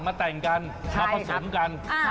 มาผสมกัน